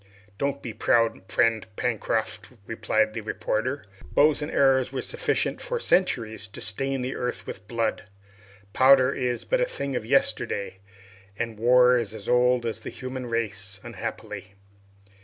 "Don't be proud, friend Pencroft," replied the reporter. "Bows and arrows were sufficient for centuries to stain the earth with blood. Powder is but a thing of yesterday, and war is as old as the human race unhappily."